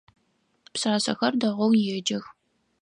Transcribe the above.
Пшъашъэхэр дэгъоу еджэх.